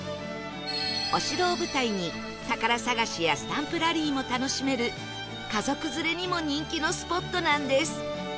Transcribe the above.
お城を舞台に宝探しやスタンプラリーも楽しめる家族連れにも人気のスポットなんです